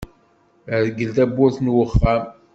Rgel tawwurt n uxxam.